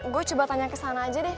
gue coba tanya kesana aja deh